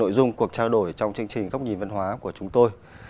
nội dung cuộc trao đổi trong chương trình góc nhìn văn hóa của chúng tôi